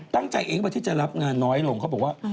ตั้งใจเองว่าที่จะรับงานน้อยลงเขาบอกว่า